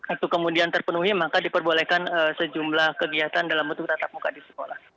itu kemudian terpenuhi maka diperbolehkan sejumlah kegiatan dalam bentuk tatap muka di sekolah